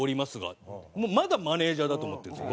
まだマネージャーだと思ってるんですよ